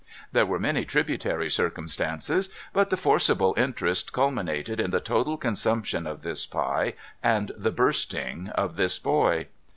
There were many tributary circumstances, but the forcible interest culminated in the total consumption of this pie, and the bursting of this boy.